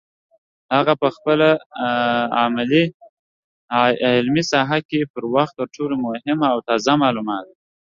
هغه په خپله علمي ساحه کې پر وخت تر ټولو مهمو او تازه معلوماتو